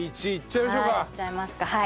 いっちゃいますかはい。